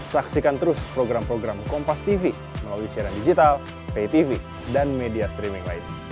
saksikan terus program program kompastv melalui siaran digital paytv dan media streaming lain